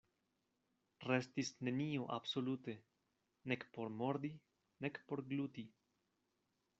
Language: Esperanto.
Restis nenio absolute, nek por mordi, nek por gluti.